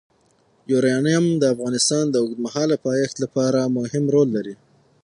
یورانیم د افغانستان د اوږدمهاله پایښت لپاره مهم رول لري.